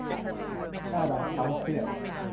หน้าดำคล้ำเครียด